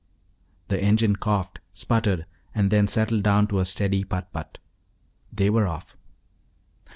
The engine coughed, sputtered, and then settled down to a steady putt putt. They were off.